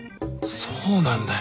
そうなんだよ。